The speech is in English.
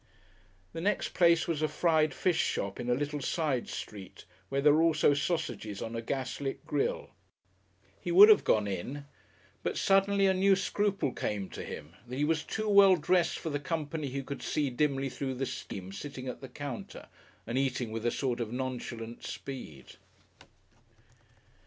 The next place was a fried fish shop in a little side street, where there were also sausages on a gas lit grill. He would have gone in, but suddenly a new scruple came to him, that he was too well dressed for the company he could see dimly through the steam sitting at the counter and eating with a sort of nonchalant speed.